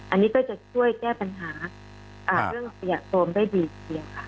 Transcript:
อันนี้ก็จะช่วยแก้ปัญหาเรื่องขยะโฟมได้ดีเพียงค่ะ